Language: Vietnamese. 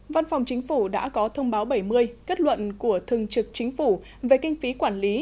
văn phòng chính phủ đã có thông báo bảy mươi kết luận của thường trực chính phủ về kinh phí quản lý